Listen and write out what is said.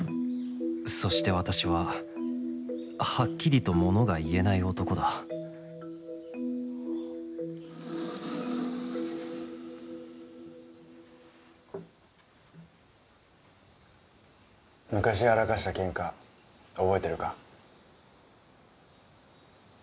そして私ははっきりと物が言えない男だ昔やらかしたケンカ覚えてるか？